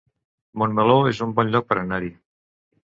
Montmeló es un bon lloc per anar-hi